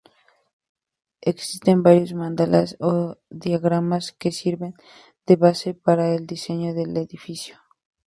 Existen varios "mandalas" o diagramas que sirven de base para el diseño del edificio.